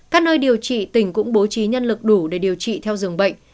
các nơi điều trị tỉnh cũng bố trí nhân lực đủ để điều trị theo dường bệnh